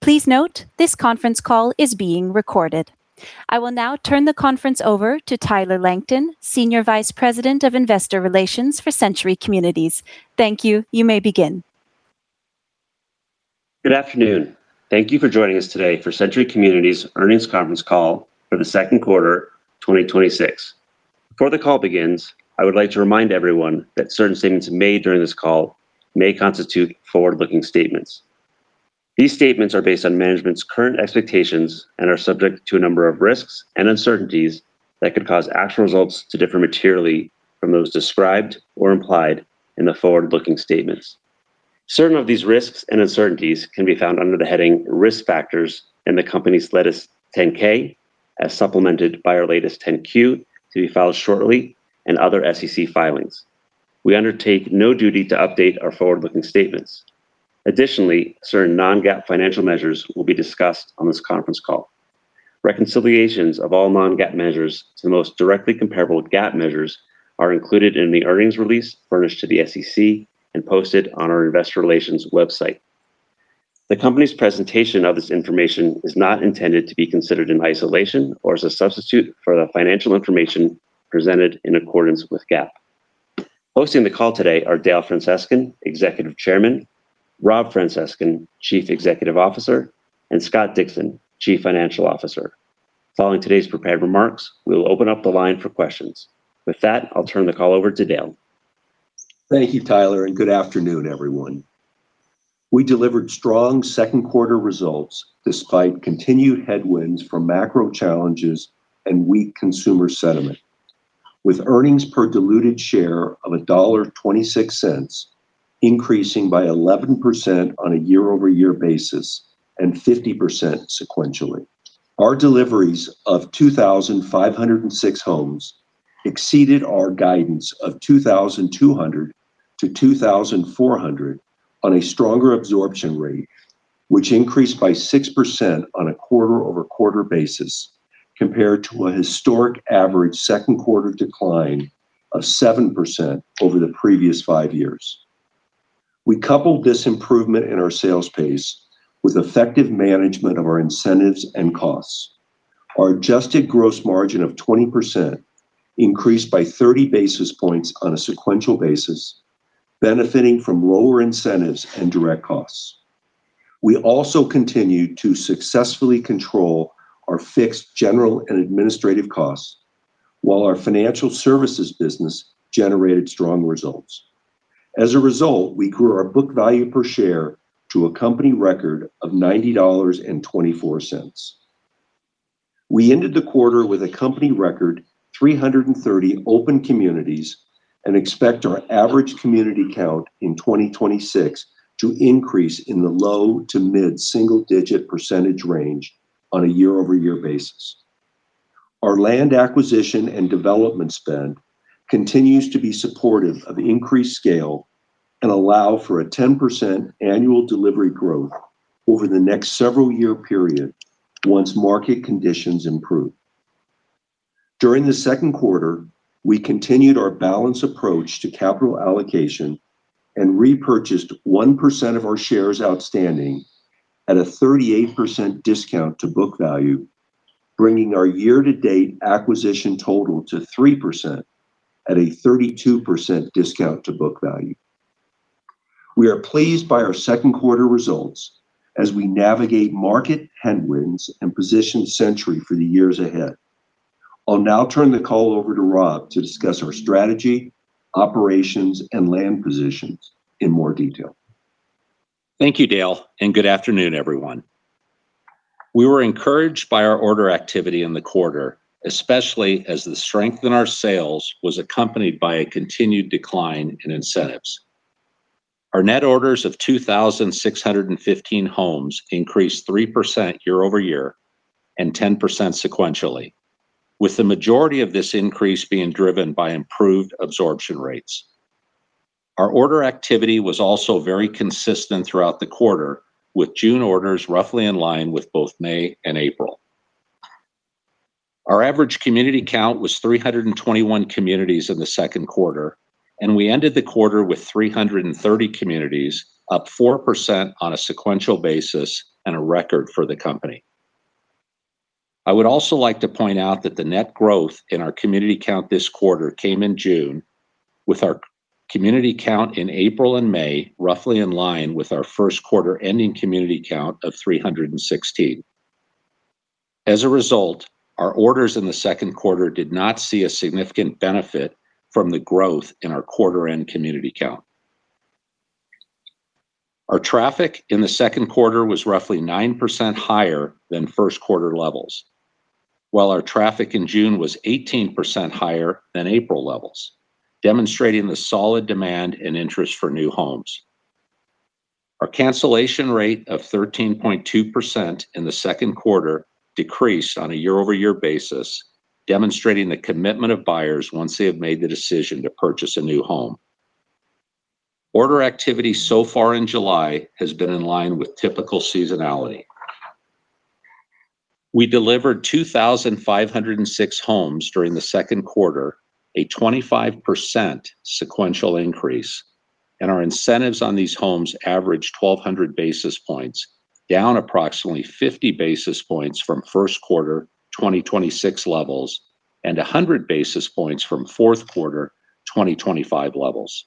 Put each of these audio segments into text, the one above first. Please note, this conference call is being recorded. I will now turn the conference over to Tyler Langton, Senior Vice President of Investor Relations for Century Communities. Thank you. You may begin. Good afternoon. Thank you for joining us today for Century Communities earnings conference call for the second quarter 2026. Before the call begins, I would like to remind everyone that certain statements made during this call may constitute forward-looking statements. These statements are based on management's current expectations and are subject to a number of risks and uncertainties that could cause actual results to differ materially from those described or implied in the forward-looking statements. Certain of these risks and uncertainties can be found under the heading Risk Factors in the company's latest 10-K, as supplemented by our latest 10-Q, to be filed shortly, and other SEC filings. We undertake no duty to update our forward-looking statements. Additionally, certain non-GAAP financial measures will be discussed on this conference call. Reconciliations of all non-GAAP measures to the most directly comparable GAAP measures are included in the earnings release furnished to the SEC and posted on our investor relations website. The company's presentation of this information is not intended to be considered in isolation or as a substitute for the financial information presented in accordance with GAAP. Hosting the call today are Dale Francescon, Executive Chairman, Rob Francescon, Chief Executive Officer, and Scott Dixon, Chief Financial Officer. Following today's prepared remarks, we will open up the line for questions. With that, I'll turn the call over to Dale. Thank you, Tyler, and good afternoon, everyone. We delivered strong second quarter results despite continued headwinds from macro challenges and weak consumer sentiment. With earnings per diluted share of $1.26, increasing by 11% on a year-over-year basis and 50% sequentially. Our deliveries of 2,506 homes exceeded our guidance of 2,200 to 2,400 on a stronger absorption rate, which increased by 6% on a quarter-over-quarter basis compared to a historic average second quarter decline of 7% over the previous five years. We coupled this improvement in our sales pace with effective management of our incentives and costs. Our adjusted gross margin of 20% increased by 30 basis points on a sequential basis, benefiting from lower incentives and direct costs. We also continued to successfully control our fixed general and administrative costs while our financial services business generated strong results. As a result, we grew our book value per share to a company record of $90.24. We ended the quarter with a company record 330 open communities and expect our average community count in 2026 to increase in the low to mid single digit percentage range on a year-over-year basis. Our land acquisition and development spend continues to be supportive of increased scale and allow for a 10% annual delivery growth over the next several year period once market conditions improve. During the second quarter, we continued our balanced approach to capital allocation and repurchased 1% of our shares outstanding at a 38% discount to book value, bringing our year-to-date acquisition total to 3% at a 32% discount to book value. We are pleased by our second quarter results as we navigate market headwinds and position Century for the years ahead. I'll now turn the call over to Rob to discuss our strategy, operations, and land positions in more detail. Thank you, Dale, and good afternoon, everyone. We were encouraged by our order activity in the quarter, especially as the strength in our sales was accompanied by a continued decline in incentives. Our net orders of 2,615 homes increased 3% year-over-year and 10% sequentially, with the majority of this increase being driven by improved absorption rates. Our order activity was also very consistent throughout the quarter, with June orders roughly in line with both May and April. Our average community count was 321 communities in the second quarter, and we ended the quarter with 330 communities, up 4% on a sequential basis and a record for the company. I would also like to point out that the net growth in our community count this quarter came in June, with our community count in April and May roughly in line with our first quarter ending community count of 316. As a result, our orders in the second quarter did not see a significant benefit from the growth in our quarter end community count. Our traffic in the second quarter was roughly 9% higher than first quarter levels, while our traffic in June was 18% higher than April levels, demonstrating the solid demand and interest for new homes. Our cancellation rate of 13.2% in the second quarter decreased on a year-over-year basis, demonstrating the commitment of buyers once they have made the decision to purchase a new home. Order activity so far in July has been in line with typical seasonality. We delivered 2,506 homes during the second quarter, a 25% sequential increase, and our incentives on these homes averaged 1,200 basis points, down approximately 50 basis points from first quarter 2026 levels and 100 basis points from fourth quarter 2025 levels.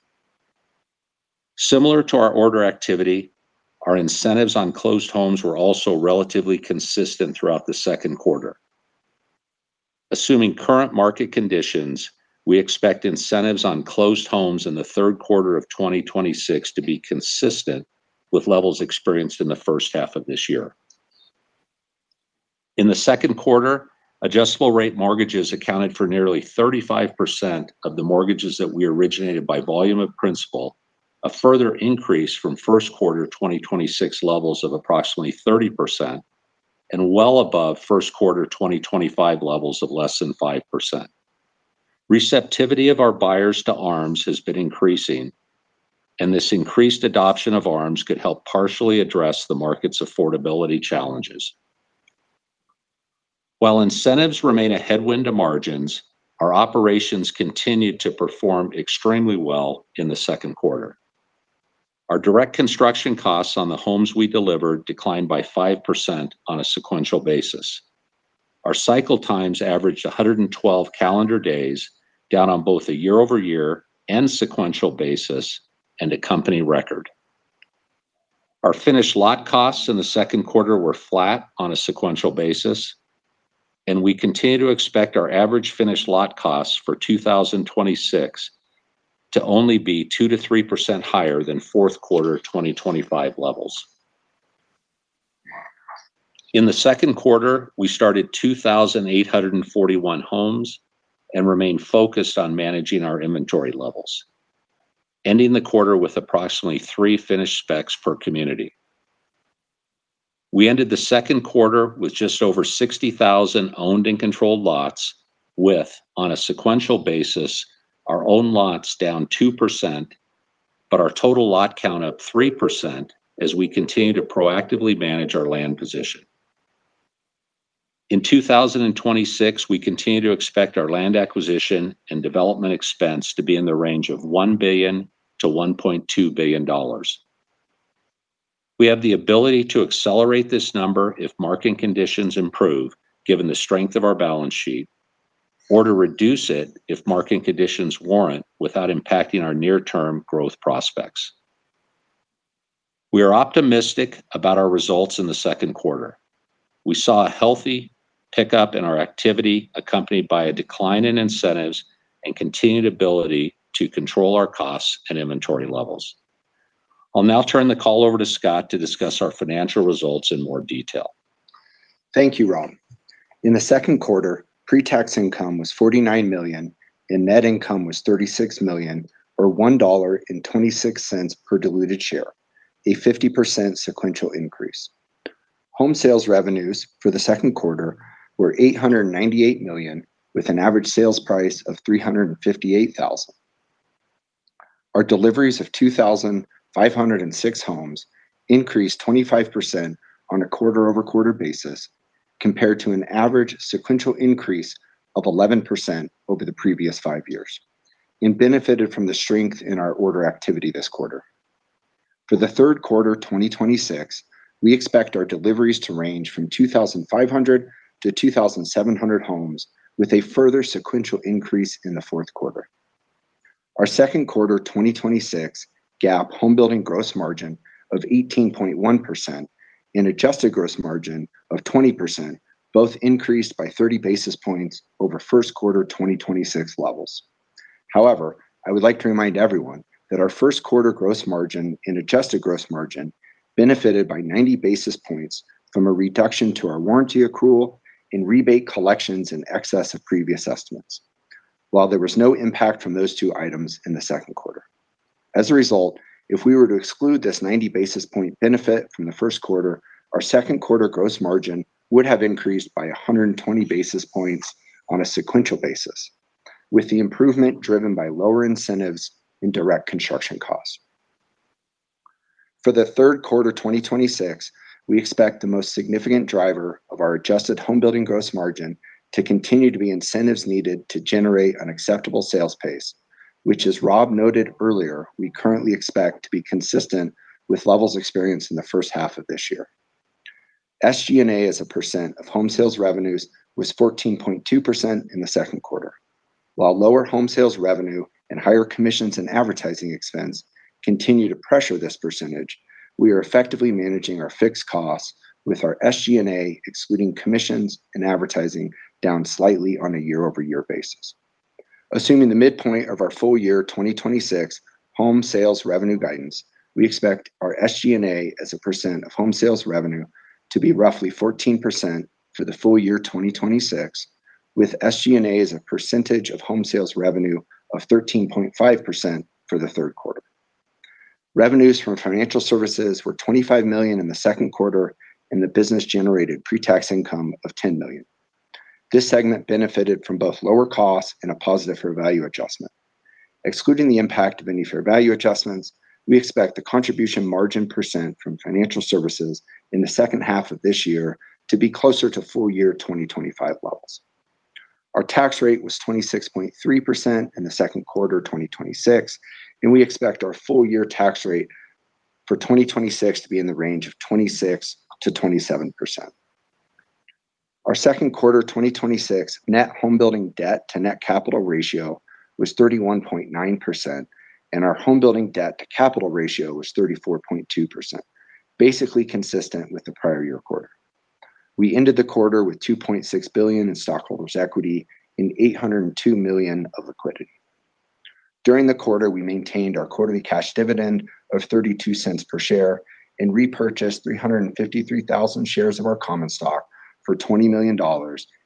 Similar to our order activity, our incentives on closed homes were also relatively consistent throughout the second quarter. Assuming current market conditions, we expect incentives on closed homes in the third quarter of 2026 to be consistent with levels experienced in the first half of this year. In the second quarter, adjustable rate mortgages accounted for nearly 35% of the mortgages that we originated by volume of principal, a further increase from first quarter 2026 levels of approximately 30% and well above first quarter 2025 levels of less than 5%. Receptivity of our buyers to ARMs has been increasing, and this increased adoption of ARMs could help partially address the market's affordability challenges. While incentives remain a headwind to margins, our operations continued to perform extremely well in the second quarter. Our direct construction costs on the homes we delivered declined by 5% on a sequential basis. Our cycle times averaged 112 calendar days, down on both a year-over-year and sequential basis and a company record. Our finished lot costs in the second quarter were flat on a sequential basis, and we continue to expect our average finished lot costs for 2026 to only be 2%-3% higher than fourth quarter 2025 levels. In the second quarter, we started 2,841 homes and remained focused on managing our inventory levels, ending the quarter with approximately three finished specs per community. We ended the second quarter with just over 60,000 owned and controlled lots with, on a sequential basis, our own lots down 2%, but our total lot count up 3% as we continue to proactively manage our land position. In 2026, we continue to expect our land acquisition and development expense to be in the range of $1 billion-$1.2 billion. We have the ability to accelerate this number if market conditions improve, given the strength of our balance sheet, or to reduce it if market conditions warrant without impacting our near-term growth prospects. We are optimistic about our results in the second quarter. We saw a healthy pickup in our activity accompanied by a decline in incentives and continued ability to control our costs and inventory levels. I'll now turn the call over to Scott to discuss our financial results in more detail. Thank you, Rob. In the second quarter, pre-tax income was $49 million, and net income was $36 million, or $1.26 per diluted share, a 50% sequential increase. Home sales revenues for the second quarter were $898 million, with an average sales price of $358,000. Our deliveries of 2,506 homes increased 25% on a quarter-over-quarter basis compared to an average sequential increase of 11% over the previous five years and benefited from the strength in our order activity this quarter. For the third quarter 2026, we expect our deliveries to range from 2,500-2,700 homes, with a further sequential increase in the fourth quarter. Our second quarter 2026 GAAP home building gross margin of 18.1% and adjusted gross margin of 20%, both increased by 30 basis points over first quarter 2026 levels. I would like to remind everyone that our first quarter gross margin and adjusted gross margin benefited by 90 basis points from a reduction to our warranty accrual and rebate collections in excess of previous estimates. While there was no impact from those two items in the second quarter. As a result, if we were to exclude this 90 basis point benefit from the first quarter, our second quarter gross margin would have increased by 120 basis points on a sequential basis, with the improvement driven by lower incentives and direct construction costs. For the third quarter 2026, we expect the most significant driver of our adjusted home building gross margin to continue to be incentives needed to generate an acceptable sales pace, which as Rob noted earlier, we currently expect to be consistent with levels experienced in the first half of this year. SGA as a percent of home sales revenues was 14.2% in the second quarter. While lower home sales revenue and higher commissions and advertising expense continue to pressure this percentage, we are effectively managing our fixed costs with our SGA, excluding commissions and advertising down slightly on a year-over-year basis. Assuming the midpoint of our full year 2026 home sales revenue guidance, we expect our SGA as a percent of home sales revenue to be roughly 14% for the full year 2026, with SGA as a percentage of home sales revenue of 13.5% for the third quarter. Revenues from financial services were $25 million in the second quarter, and the business generated pre-tax income of $10 million. This segment benefited from both lower costs and a positive fair value adjustment. Excluding the impact of any fair value adjustments, we expect the contribution margin percent from financial services in the second half of this year to be closer to full year 2025 levels. Our tax rate was 26.3% in the second quarter of 2026, and we expect our full year tax rate for 2026 to be in the range of 26%-27%. Our second quarter 2026 net home building debt to net capital ratio was 31.9%, and our home building debt to capital ratio was 34.2%, basically consistent with the prior year quarter. We ended the quarter with $2.6 billion in stockholders' equity and $802 million of equity. During the quarter, we maintained our quarterly cash dividend of $0.32 per share and repurchased 353,000 shares of our common stock for $20 million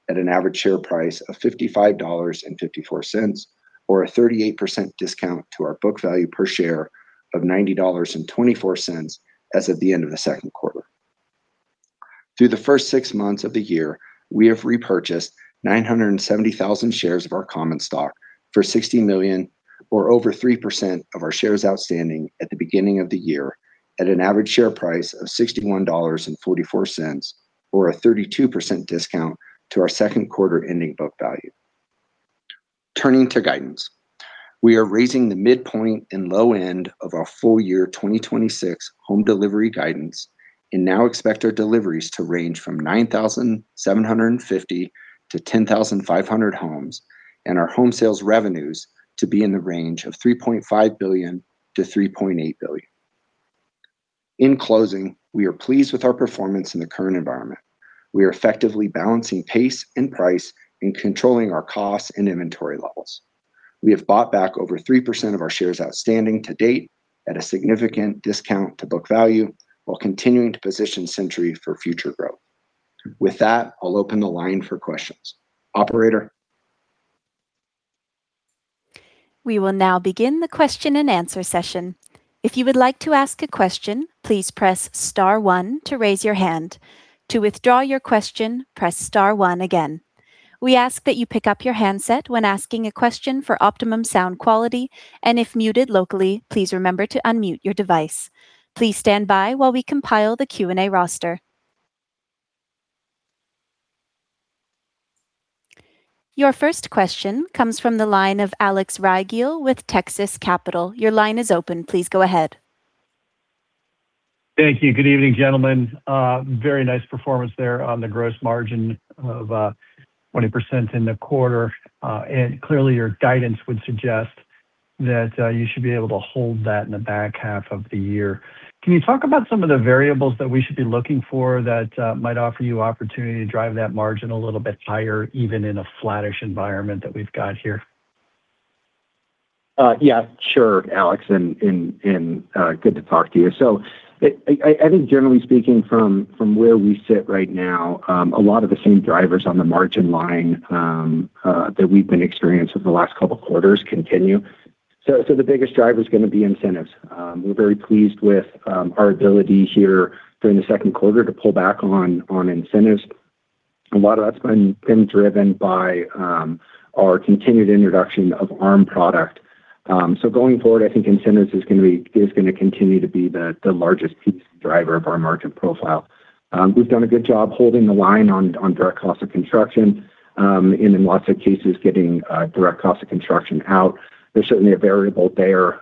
at an average share price of $55.54, or a 38% discount to our book value per share of $90.24 as of the end of the second quarter. Through the first six months of the year, we have repurchased 970,000 shares of our common stock for $60 million, or over 3% of our shares outstanding at the beginning of the year at an average share price of $61.44, or a 32% discount to our second quarter ending book value. Turning to guidance. We are raising the midpoint and low end of our full year 2026 home delivery guidance and now expect our deliveries to range from 9,750-10,500 homes, and our home sales revenues to be in the range of $3.5 billion-$3.8 billion. In closing, we are pleased with our performance in the current environment. We are effectively balancing pace and price and controlling our costs and inventory levels. We have bought back over 3% of our shares outstanding to date at a significant discount to book value while continuing to position Century for future growth. With that, I'll open the line for questions. Operator? Your first question comes from the line of Alex Rygiel with Texas Capital. Your line is open. Please go ahead. Thank you. Good evening, gentlemen. Very nice performance there on the gross margin of 20% in the quarter. Clearly, your guidance would suggest that you should be able to hold that in the back half of the year. Can you talk about some of the variables that we should be looking for that might offer you opportunity to drive that margin a little bit higher, even in a flattish environment that we've got here? Yeah. Sure, Alex, and good to talk to you. I think generally speaking from where we sit right now, a lot of the same drivers on the margin line that we've been experiencing for the last couple of quarters continue. The biggest driver is going to be incentives. We're very pleased with our ability here during the second quarter to pull back on incentives. A lot of that's been driven by our continued introduction of ARM product. Going forward, I think incentives is going to continue to be the largest driver of our margin profile. We've done a good job holding the line on direct cost of construction, and in lots of cases, getting direct cost of construction out. There's certainly a variable there,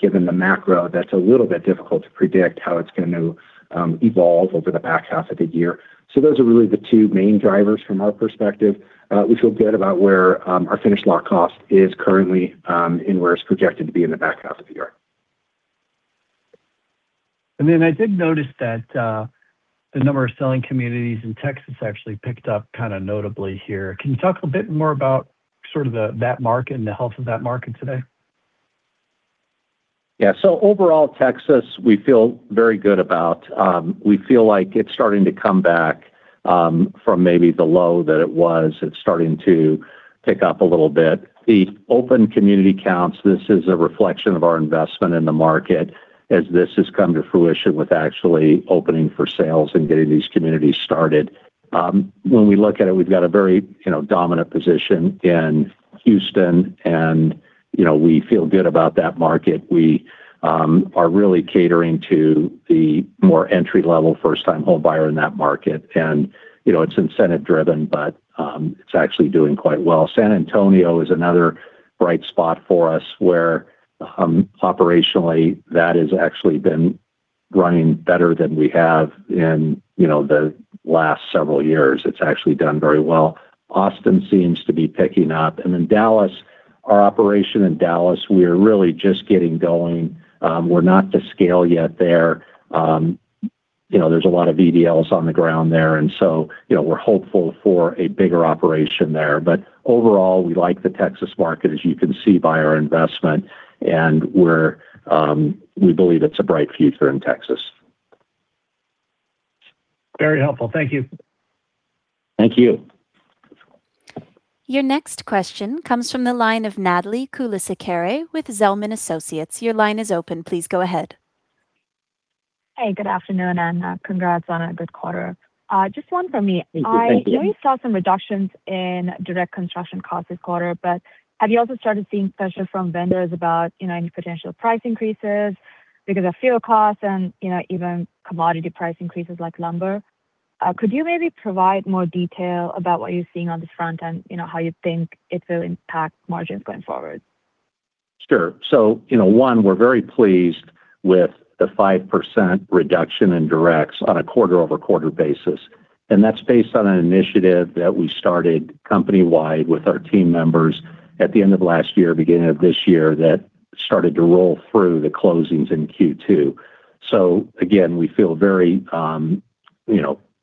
given the macro, that's a little bit difficult to predict how it's going to evolve over the back half of the year. Those are really the two main drivers from our perspective. We feel good about where our finished lot cost is currently, and where it's projected to be in the back half of the year. I did notice that the number of selling communities in Texas actually picked up notably here. Can you talk a bit more about that market and the health of that market today? Overall, Texas, we feel very good about. We feel like it's starting to come back from maybe the low that it was. It's starting to pick up a little bit. The open community counts, this is a reflection of our investment in the market as this has come to fruition with actually opening for sales and getting these communities started. When we look at it, we've got a very dominant position in Houston, and we feel good about that market. We are really catering to the more entry-level, first-time homebuyer in that market. It's incentive-driven, but it's actually doing quite well. San Antonio is another bright spot for us where operationally, that has actually been running better than we have in the last several years. It's actually done very well. Austin seems to be picking up. Dallas, our operation in Dallas, we are really just getting going. We're not to scale yet there. There's a lot of VDLs on the ground there, we're hopeful for a bigger operation there. Overall, we like the Texas market, as you can see by our investment, and we believe it's a bright future in Texas. Very helpful. Thank you. Thank you. Your next question comes from the line of Natalie Kulasekere with Zelman & Associates. Your line is open. Please go ahead. Hey, good afternoon. Congrats on a good quarter. Just one from me. Thank you. Have you also started seeing pressure from vendors about any potential price increases because of fuel costs and even commodity price increases like lumber? Could you maybe provide more detail about what you're seeing on this front and how you think it will impact margins going forward? One, we're very pleased with the 5% reduction in directs on a quarter-over-quarter basis, and that's based on an initiative that we started company-wide with our team members at the end of last year, beginning of this year, that started to roll through the closings in Q2. Again, we feel very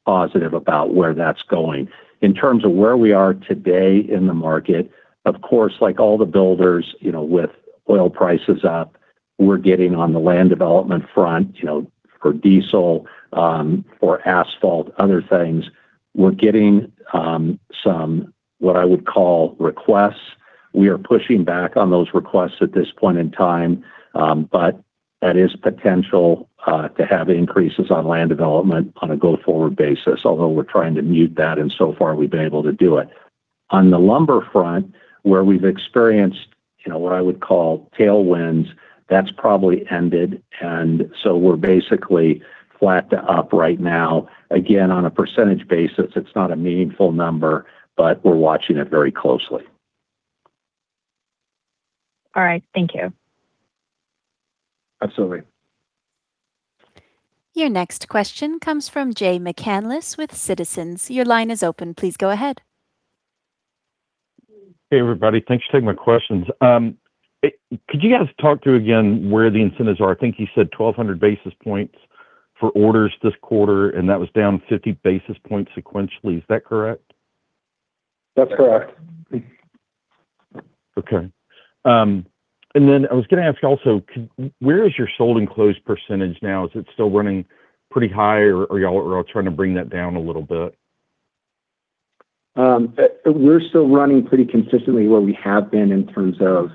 positive about where that's going. In terms of where we are today in the market, of course, like all the builders, with oil prices up, we're getting on the land development front for diesel, for asphalt, other things. We're getting some, what I would call requests. We are pushing back on those requests at this point in time. That is potential to have increases on land development on a go-forward basis, although we're trying to mute that, and so far, we've been able to do it. On the lumber front, where we've experienced, what I would call tailwinds, that's probably ended, and so we're basically flat to up right now. Again, on a percentage basis, it's not a meaningful number, but we're watching it very closely. All right. Thank you. Absolutely. Your next question comes from Jay McCanless with Citizens. Your line is open. Please go ahead. Hey, everybody. Thanks for taking my questions. Could you guys talk through again where the incentives are? I think you said 1,200 basis points for orders this quarter, and that was down 50 basis points sequentially. Is that correct? That's correct. Okay. Then I was going to ask you also, where is your sold and closed % now? Is it still running pretty high, or are you all trying to bring that down a little bit? We're still running pretty consistently where we have been in terms of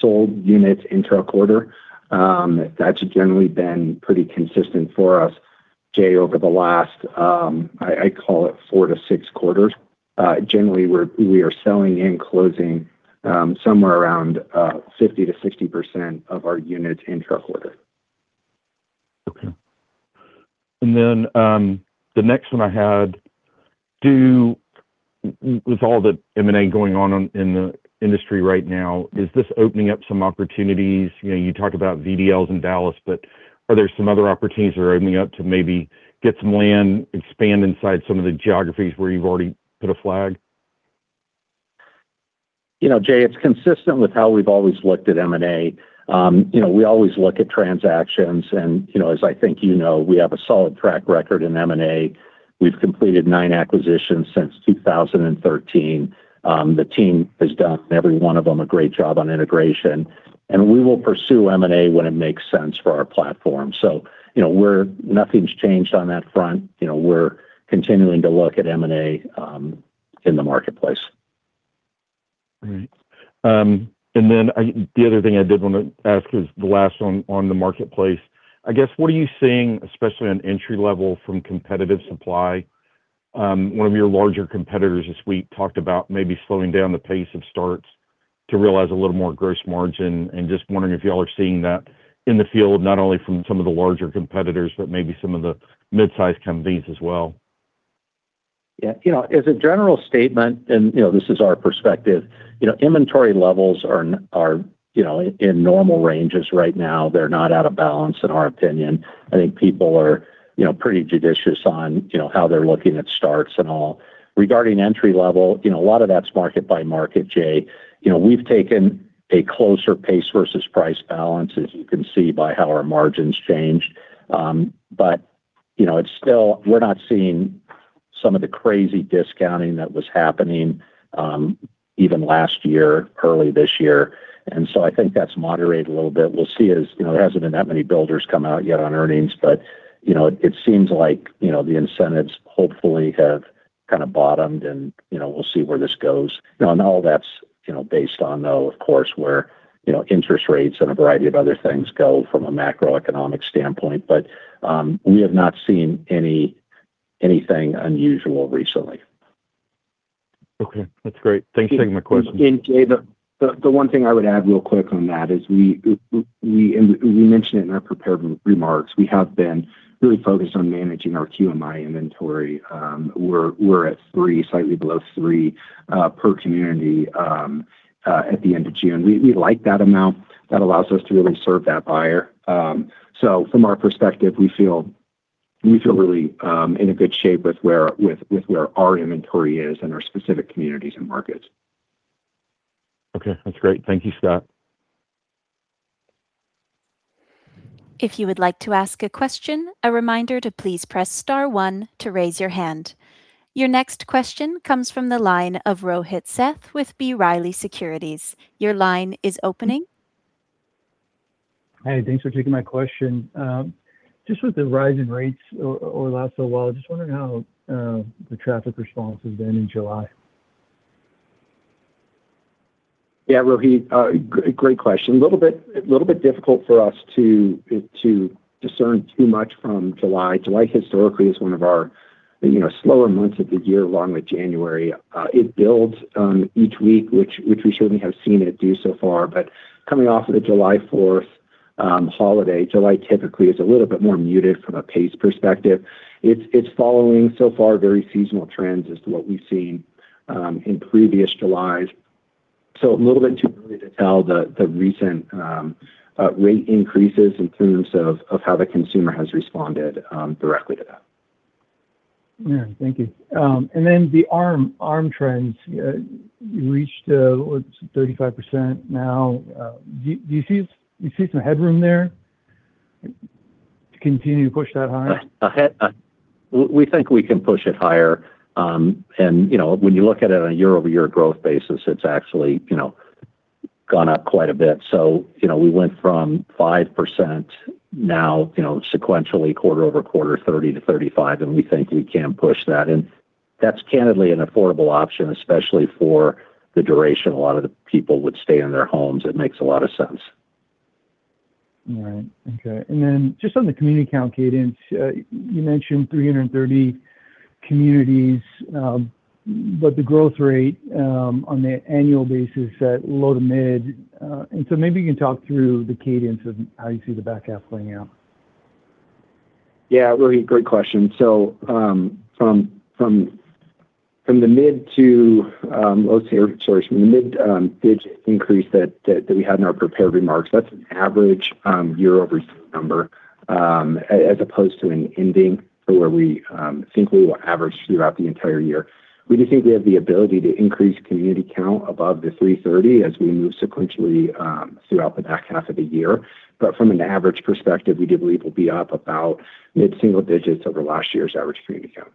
sold units into a quarter. That's generally been pretty consistent for us, Jay, over the last, I call it four to six quarters. Generally, we are selling and closing somewhere around 50%-60% of our units into a quarter. Okay. Then the next one I had, with all the M&A going on in the industry right now, is this opening up some opportunities? You talk about VDLs in Dallas, are there some other opportunities that are opening up to maybe get some land, expand inside some of the geographies where you've already put a flag? Jay, it's consistent with how we've always looked at M&A. We always look at transactions, and as I think you know, we have a solid track record in M&A. We've completed nine acquisitions since 2013. The team has done every one of them a great job on integration, and we will pursue M&A when it makes sense for our platform. Nothing's changed on that front. We're continuing to look at M&A in the marketplace. All right. Then the other thing I did want to ask is the last one on the marketplace. I guess, what are you seeing, especially on entry level from competitive supply? One of your larger competitors this week talked about maybe slowing down the pace of starts to realize a little more gross margin, just wondering if you all are seeing that in the field, not only from some of the larger competitors, but maybe some of the midsize companies as well. Yeah. As a general statement, this is our perspective, inventory levels are in normal ranges right now. They're not out of balance in our opinion. I think people are pretty judicious on how they're looking at starts and all. Regarding entry level, a lot of that's market by market, Jay. We've taken a closer pace versus price balance as you can see by how our margins changed. We're not seeing some of the crazy discounting that was happening even last year, early this year. So I think that's moderated a little bit. We'll see as there hasn't been that many builders come out yet on earnings, but it seems like the incentives hopefully have kind of bottomed, we'll see where this goes. All that's based on, though, of course, where interest rates and a variety of other things go from a macroeconomic standpoint. We have not seen anything unusual recently. Okay. That's great. Thanks for taking my question. Jay, the one thing I would add real quick on that is, we mentioned it in our prepared remarks, we have been really focused on managing our QMI inventory. We're at three, slightly below three per community at the end of June. We like that amount. That allows us to really serve that buyer. From our perspective, we feel really in a good shape with where our inventory is in our specific communities and markets. Okay. That's great. Thank you, Scott. Your next question comes from the line of Rohit Seth with B. Riley Securities. Your line is opening. Hey, thanks for taking my question. Just with the rise in rates over the last little while, just wondering how the traffic response has been in July. Yeah, Rohit, great question. A little bit difficult for us to discern too much from July. July historically is one of our slower months of the year, along with January. It builds each week, which we certainly have seen it do so far. Coming off of the July 4th holiday, July typically is a little bit more muted from a pace perspective. It's following, so far, very seasonal trends as to what we've seen in previous Julys. A little bit too early to tell the recent rate increases in terms of how the consumer has responded directly to that. Yeah. Thank you. The ARM trends. You reached 35% now. Do you see some headroom there to continue to push that higher? We think we can push it higher. When you look at it on a year-over-year growth basis, it's actually gone up quite a bit. We went from 5% now sequentially quarter-over-quarter, 30-35, and we think we can push that in. That's candidly an affordable option, especially for the duration a lot of the people would stay in their homes. It makes a lot of sense. All right. Okay. Just on the community count cadence, you mentioned 330 communities. The growth rate on the annual basis is at low to mid. Maybe you can talk through the cadence of how you see the back half playing out. Rohit, great question. From the mid-digit increase that we had in our prepared remarks, that's an average year-over-year number, as opposed to an ending for where we think we will average throughout the entire year. We just think we have the ability to increase community count above the 330 as we move sequentially throughout the back half of the year. From an average perspective, we do believe we'll be up about mid-single digits over last year's average community count.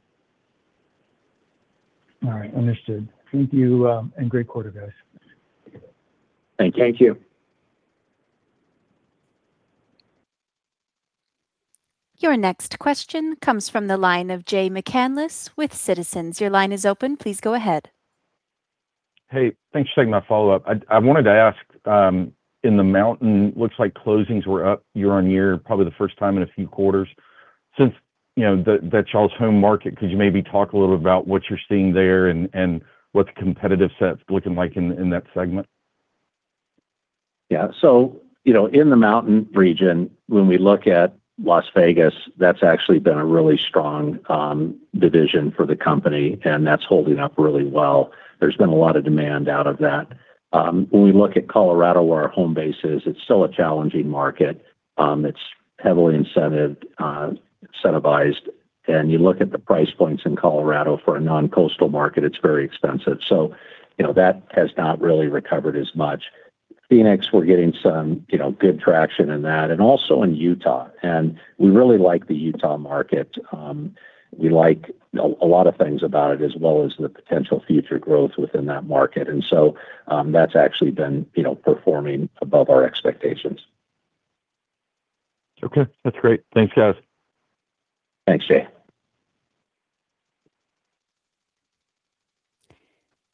All right. Understood. Thank you, great quarter, guys. Thank you. Your next question comes from the line of Jay McCanless with Citizens. Your line is open. Please go ahead. Thanks for taking my follow-up. I wanted to ask, in the mountain, looks like closings were up year-over-year, probably the first time in a few quarters. Since that's y'all's home market, could you maybe talk a little bit about what you're seeing there and what the competitive set's looking like in that segment? Yeah. In the mountain region, when we look at Las Vegas, that's actually been a really strong division for the company, and that's holding up really well. There's been a lot of demand out of that. When we look at Colorado, where our home base is, it's still a challenging market. It's heavily incentivized. You look at the price points in Colorado for a non-coastal market, it's very expensive. That has not really recovered as much. Phoenix, we're getting some good traction in that, and also in Utah. We really like the Utah market. We like a lot of things about it, as well as the potential future growth within that market. That's actually been performing above our expectations. Okay. That's great. Thanks, guys. Thanks, Jay.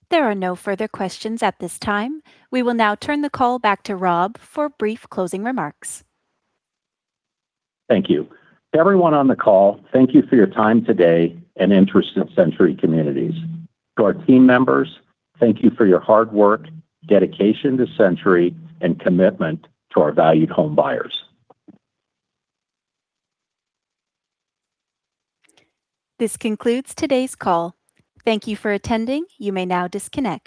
There are no further questions at this time. We will now turn the call back to Rob for brief closing remarks. Thank you. To everyone on the call, thank you for your time today and interest in Century Communities. To our team members, thank you for your hard work, dedication to Century, and commitment to our valued home buyers. This concludes today's call. Thank you for attending. You may now disconnect.